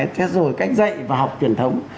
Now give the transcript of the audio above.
thế rồi cách dạy và học truyền thống